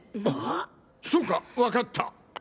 そうか分かった。